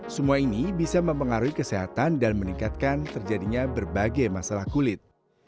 semua ini bisa mempengaruhi kesehatan dan meningkatkan terjadinya berbagai masalah kulit